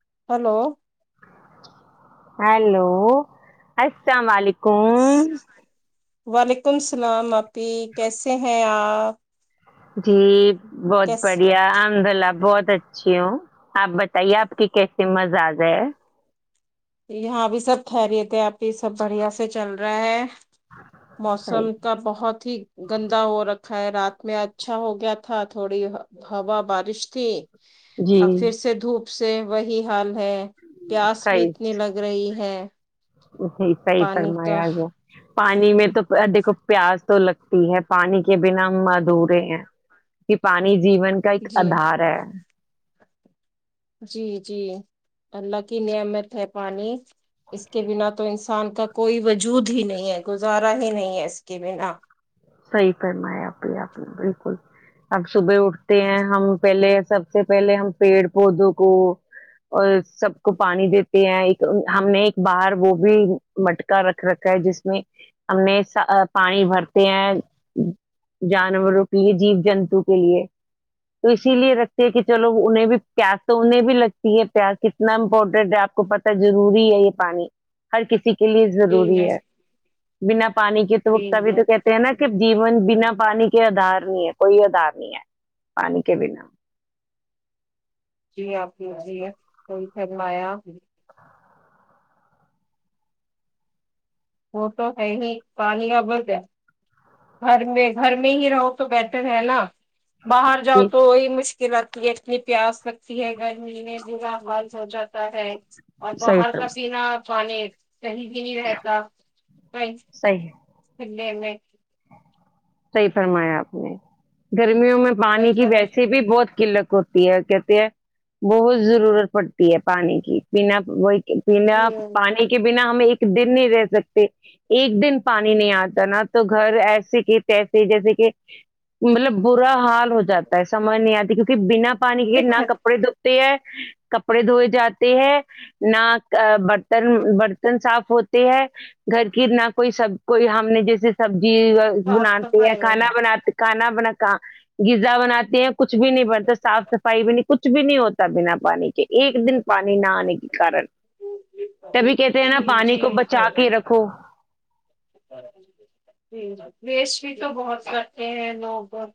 [unintelligible] [unintelligible] [inaudible] [unintelligible] کیسے [unintelligible] [unintelligible] [unintelligible] [unintelligible] صحیح [unintelligible] ا [unintelligible] جی [unintelligible] [unintelligible] پانی کا [unintelligible] [unintelligible] جی [unintelligible] [unintelligible] [unintelligible] [unintelligible] [unintelligible] جی جی جیون جی بینا پانی کے عادات کوی ادار نہیں پانی کے بینا [inaudible] وہ تو ہیں ہی پانی [inaudible] گھر میں گھر میں ہی رایوں تو بہتر ہے نا باہر جاو جی تو ہی مش اتنی پیاس لگتی ہے گھر میں [inaudible] اور صحیح بہت فرم پسینا اتا [inaudible] کاہی بھی نہیں دیتا صحیح [inaudible] [inaudible] صحافی فرمایا آپ نے گروں میں کئی پانی کی طرح ویسے بھی بہت قلت ہوتی کہتے ہیں بہت ضرورت پڑتی ہے پانی کی بنا وہ پنا جی پانی کے بناا ہمیں ایک دن نہیں رہ سکتے ایک دن پانی نہیں آتا نا تو گھر ایسے کی تسے ایسے جیسے کہ مطلب برا حال ہو جاتا ہے سمجھ نہیں آتی کیونکہ بنا پانی کے نہ دقت کپڑے دو کپڑے دھوئے جاتے ہیں نہ برتن برتن صاف ہوتے ہیں گھر کی نہ کوئی سب کوئی ہم نے جیسے جی صاف بناتے ہیں صفائی کھانا بناتے کھانا بنا کہ غذا بناتے ہیں کچھ بھی نہیں بنتا صاف صفائی بھی نہیں کچھ بھی نہیں ہوتا بنا پانی کے ایک دن پانی نہ آنے کے کارن تبھی کہتے ہیں نا جی پانی کو بچا کے رکھو ج ویسٹ بھی تو بہت کرتے ہیں لوگ بہت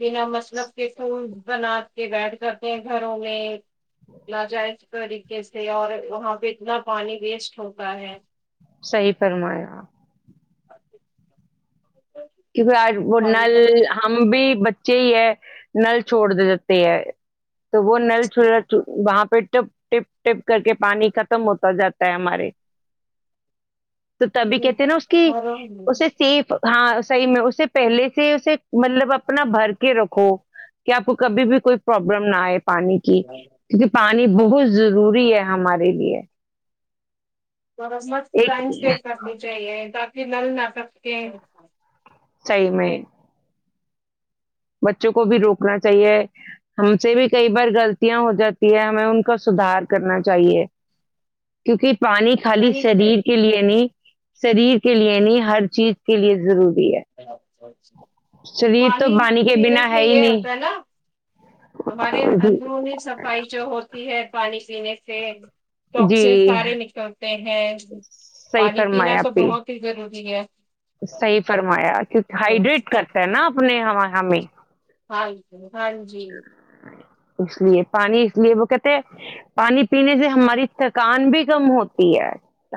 بنا مطلب کے پول بنا کے بیھ کرتے ہیں گھروں میں لا جائےز طریقے سے اور وہاں پہ اتنا پانی ویسٹ ہوتا ہے صحی فرمایا کیونکہ آج وہ پانی نل کا تو ہم بھی بچے ہی ہے نل چھوڑ دیتے ہے تو وہ نل چھ وہاں پہ ٹپ ٹپ ٹپ کر کے پانی ختم ہوتا جاتا ہے ہمارے تو تبھی ہوں، کہتے ہیں نا اس کی اور اسے سیف ہاں صحیح میں اسے پہلے سے اسے مطلب اپنا بھر کے رکھو کہ آپ کو کبھی بھی کوئی پرابلم نہ آئے پانی کی کیونکہ پانی بہت ضروری ہے ہمارے لیے مت ایک فنس دیک کرنی چاہیے تاکہ ج نل نہ سب کے صی میں بچوں کو بھی روکنا چاہیے ہم سے بھی کئی بار غلطیاں ہو جاتی ہے ہمیں ان کا سدھار کرنا چاہیے کیونکہ پانی خالی صحیح سے شریر کے لیے نہیں سری کے لیے نہیں ہر چیز کے لیے ضرور ہ تو پانی کے پینے بنا سے ہے ہی یہ نہیں ہوتا ہے نا ہمارے اندرونی صفائی جو ہوتی ہے پانی کی جینے سے جی ٹواکس سارے نکلتے ہیں صحیح پانی پینا فرمایا تو پی بہت ہی ضروری ہے تو ہائڈریٹ کرتے ہیں نا اپنے یہ ہمیں ہاں ہاں جی اس لیے پانی اس لیے وہ کہتے ہیں پانی پینے سے ہماری تھکان بھی کم ہوتی ہے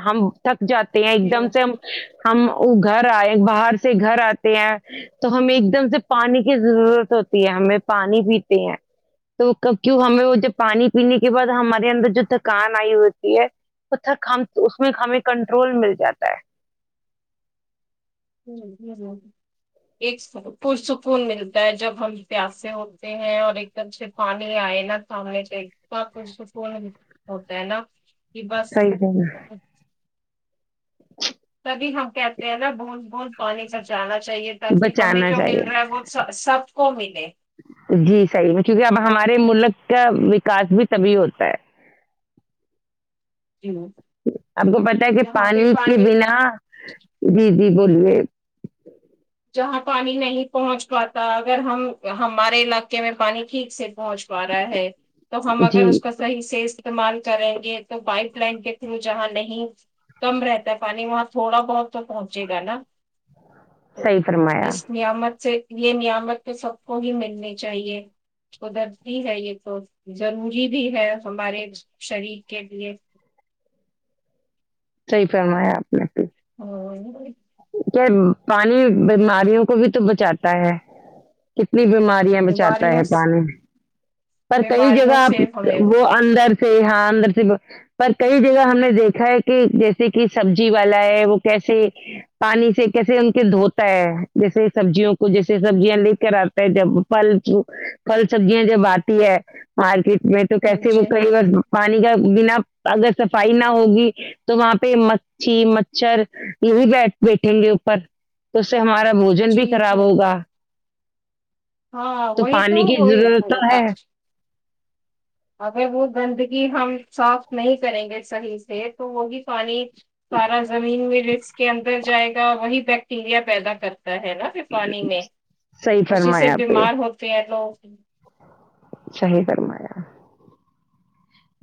ہم تک جاتے ہیں ایک دم ہ سے ہم وہ گھر آئے باہر سے گھر آتے ہیں تو ہمیں ایک دم سے پانی کی ضرورت ہوتی ہے ہمیں پانی پیتے ہیں تو کیوں ہمیں وہ جب پانی پینے کے بعد ہمارے اندر جو تھکان آئی ہوتی ہے وہ تھک ہم تو اس میں ہمیں کنٹرول مل جاتا ہے ہ ہ ایک پرسکون ملتا ہے جب ہم پیاسے ہوتے ہیں اور ایک دم سے پانی آئے نا سامنے سے اتنا پرسکون ہوتا ہے نا کہ بس صحیح ا اب بھی ہم کہتے ہیں نا بول بول پانی کر جانا چاہیے تاکہ ہمیں بچانا جو مل رہا چاہیے ہے وہ سب کو ملے جی صحیح میں چونکہ اب ہمارے ملک کا وکاس بھی تبھی ہوتا ہے آپ کو پتا ہے کہ یہاں پہ پانی کے بنا جی جی بولیے جہاں پانی نہیں پہنچ پاتا اگر ہم ہمارے علاقے میں پانی ٹھیک سے پہنچ پا رہا ہے تو ہم جی اگر اس کا صحیح سے استعمال کریں گے پائپ لائن کے تھرو جہاں نہیں کم رہتا ہے پانی وہاں تھوڑا بہت تو پہنچے گا نا تو صحیح فرمایا اس نعمت سے یہ نیامت تو سب کو ہی ملنی چاہیے قدرتی ہے یہ تو ضروری بھی ہے ہمارے شریر کے لیے صی فرمایاپ [unintelligible] کیا پانی بیماریوں کو بھی تو بچاتا ہے کتنی بیماری بچاتا بیماریاں ہے پانی پر کئی بیماریوں جگہ سے ہمیں وہ اندر سے یہاں ر سے پر کئی جگہ ہم نے دیکھا ہے کہ جیسے کہ سبزی والا ہے وہ کیسے پانی سے کیسے ان کے دھوتا ہے جیسے سبزیوں کو جیسے سبزیاں لے کر آتا ہے جب پل پھل سبزیاں جب آتی ہے مارکیٹ میں تو کیس ہ کہی بس پانی کا بنا اگر صفائی نہ ہوگی تو وہاں پہ مچھی مچھر یہی بیٹھ بیٹھیں گے اوپر تو سے ہمارا بوجن بھی جی خراب جی ہوگا ہاں وہ تو پانی کی ہوئی ضرورت مے تو ہے اگر وہ گندگی ہم صاف نہیں کریں گے صحیح سے تو ہوگی پانی سارا زمین میںل کے اندر جائے گا وہی بیکٹیریا پیدا کر ہے نا پھر پانی میں صحیح اسی سے فرمایا آپ نے بیمار ہوتے ہیں لوگ ہ شاہی فرمایا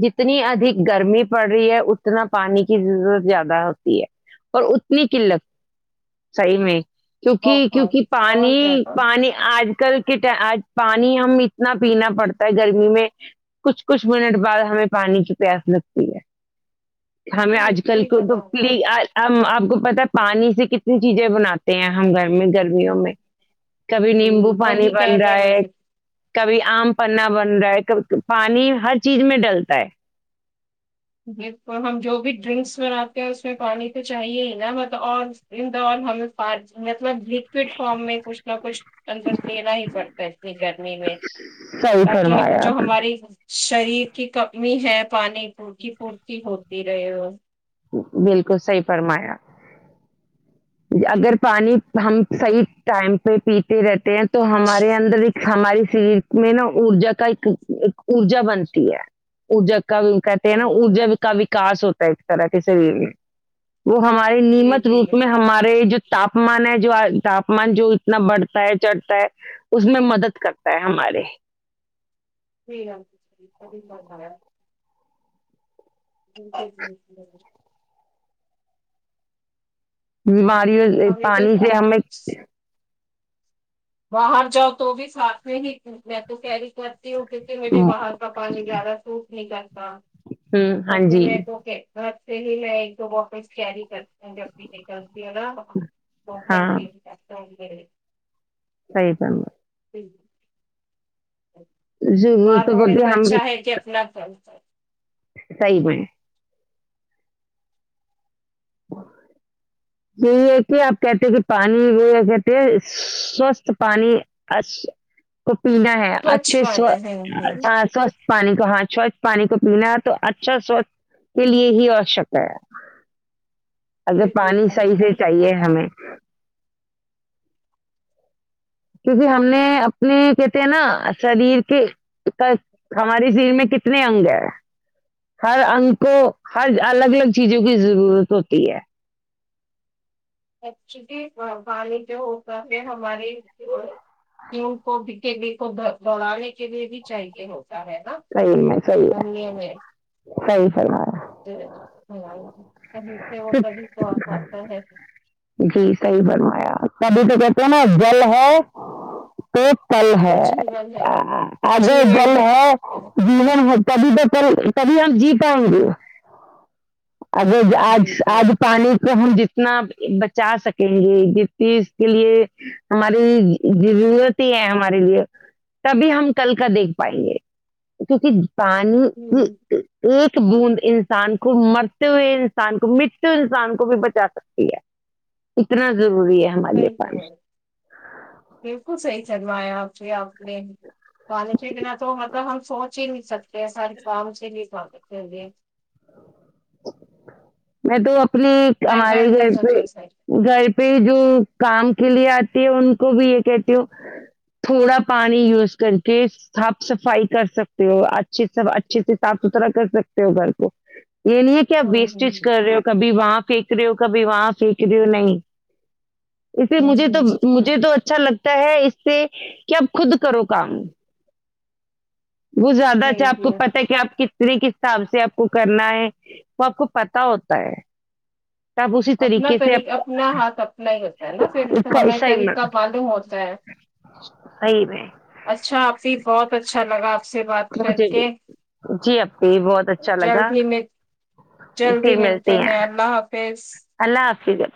جتنی ادھک گرمی پڑ رہی ہے اتنا پانی کی ضرورت زیادہ ہوتی ہے اور اتنی قلت صحیح میں کیونکہ بہت کیونکہ بہت پانی زیادہ پانی آج کل کےٹ آج پانی ہم اتنا پینا پڑتا ہے گرمی میں کچھ کچھ منٹ بعد ہمیں پانی کی پیاس لگتی ہے ہمیں صحیح آج کل صحیح کو تو سزا ہوا پلیب کو پتا پانی سے کتنی چیزیں بناتے ہیں ہم گھر گرمیوں میں کبھی نیمبو پانی وہی بن رہا کہنے ہے میں کبھی آم پنا بن رہا ہے کبھی پانی ہر چیز میں ڈلتا ہے بالکل ہم جو بھی ڈرنکس بناتے ہیں اس میں پانی تو چاہیے ہی نا اور دا ہمیں مطلب لکوڈ فارم میں کچھ نہ کچھ اندرست لینا ہی پڑتا ہے انی گرمی میں صحیح تاکہ فرمایا جو آپ ہماری شریر کی کمی ہے پانی پ کی پورتی ہوتی رہے وہ بالکل صحی فرمایا اگر پانی ہم صحیح ٹائم پہ پیتے رہتے ہیں تو ہمارے اندر ایک ہمارے شریر میں نا ارجا کا ایک ارجا بنتی ہے ارجا کہتے ہیں نا ارجا کا وکا ہوتا تھیکس ترقی سے بھی وہ ہمارے جی نیمت جی روپ میں ہمارے جو تاپمان ہے جو تاپمان جو اتنا بڑھتا ہے چڑھتا ہے اس میں مدد کرتا ہے ہمارے [unintelligible] ج ج [unintelligible] ہمیں تو پانی سے ہمیں باہر جاؤ تو بھی ساتھ میں ہی میں تو کہ رہی کہ کی پھر مجھے باہر کا پانی زیادہ سوٹ نکلتا تو ہاں پھر جی میں تو کہ پلی میں ایک دو باپس کیری کرتی جیتی ہے نا کون کو اے صحی چم [inaudible] بیمار ضرورت ہونے ہوتی سے اچھا ہے کہ اپنا سر سر صی میں یہی ہے کہ آپ کہتے ہیں کہ پانی یہ کہتے ہیں سوستھ پانی کو پینا ہے سوچھ اچھے پانا ہے سوستھ پانی کو ہاں سوچھ پانی کو پینا ہے تو اچھا سوچھ کے لیے ہی آشک ہے اچھا جی جی پانی صحیح سے چاہیے ہمیں کیونکہ ہم نے نہیںیک کہتے ہیں نا شریر کے ہمارے شریر میں کتنے اگ ہے ہر انگ کو ہر الگ الگ چیزوں کی ضرورت ہوتی ہے ایکچولی پانی جو ہوگا ہے ہمارےوں کو کو دوڑانے کے لیے بھی چاہیے ہوگ رہ ہے صحیح میں صحیح ہے گمنی میں صحیح فرمایا [inaudible] کہیں سے وہ کبھی پتا ہے جی صحیح فرمایا تبھی تو کہتے ہیں نا جل ہے پ تل وہ ہے جیون ہے آگے جل ہے ج کبھی تو کبھی ہم جی پائ گے اگر جی آج جی جی آج پانی کہن ج اتنا بچا سکیں گے جس چیز کے لیے ہماری ضرورت ہی ہے ہمارے لیے تبھی ہم کل کا دیکھ پائیں گے کیونکہ پانی ہوں ایک بوند انسان کو مر ہوئے انسان کو متو انسان کو بھی بچا سکتی ہے اتنا رور ضری ہے ہمارے صحیح پاس فرمایا ایا آ سے آپ نے پالنا تو مطلب ہم سوچ ہی نہیں سکتے پ ساری کام چ نہیں پ ا بھی میں تو اس ہمارے گھر ہو پہ چاہے سائڈ گھر پہ جو کام کے لیے اتی ہے ان کو بھی یہ کہتی ہوں تھوڑا پانی یوز کر کے صاف صفائی کر سکتے ہو اچے سب اچھے سے صاف ستھرا کر سکتے ہو گھر کو یہ نہیں کہ آپ ہوں بیس ہوں سٹچ کر رہے ہو کبھی وہاں پے سیکھ رہی ہو کبھی وہاں سیکھ رہی ہو نہیں اسے ہوں مجھے تو ہوں مجھے تو اچھا لگتا ہے اس سے کہ اب خود کرو کام وہ زیادہ اچھا جی آپ کو جی پت ہے کہ آپ ک یہ کس حساب سے آپ کو کرنا ہے وہ آپ کو پتا ہوتا ہے تو آپ اسی اپنا طریقے سے طریقہ آپ اپنا ہاتھ اپنا ہی ہوتا ہے نا پھر اس کا ہمیں حصہ طریقہ معلوم ہوتا ہے صحیح میں اچھا آپ کی بہت اچھا لگا سے بات کر مجھے بھی کے جی اپی بہت اچھا لگا جلدی مل جلدی ملتے ہیں اللہ حافظ اللہ حافظ